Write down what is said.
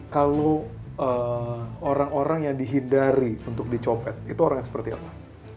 kalau orang orang yang dihindari untuk dicopet itu orangnya seperti apa